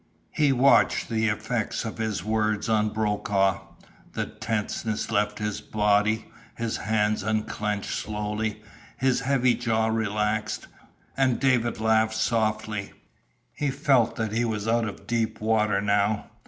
He watched the effect of his words on Brokaw. The tenseness left his body, his hands unclenched slowly, his heavy jaw relaxed and David laughed softly. He felt that he was out of deep water now.